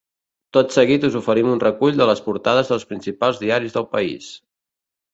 Tot seguit us oferim un recull de les portades dels principals diaris del país.